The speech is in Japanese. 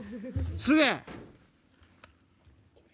すげえ！